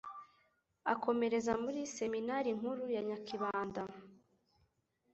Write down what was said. akomereza muri Seminari Nkuru ya Nyakibanda